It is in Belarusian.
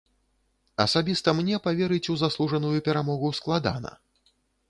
Асабіста мне паверыць у заслужаную перамогу складана.